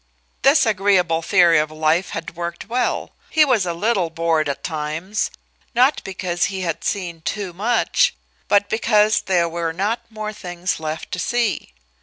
This agreeable theory of life had worked well; he was a little bored at times not because he had seen too much, but because there were not more things left to see.